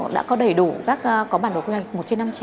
đã có đầy đủ có bản đồ quy hoạch một trên năm trăm linh